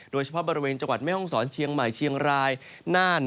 โดยเฉพาะบริเวณจังหวัดแม่ห้องศรเชียงใหม่เชียงรายน่าน